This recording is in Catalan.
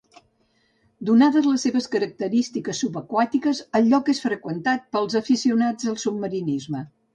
Donades les seves característiques subaquàtiques el lloc és freqüentat pels aficionats al submarinisme.